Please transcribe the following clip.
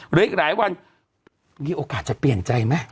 หรืออีกหลายวันมีโอกาสจะเปลี่ยนใจไหม